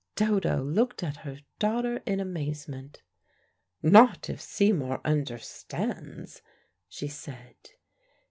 Dodo looked at her daughter in amazement. "Not if Seymour understands," she said.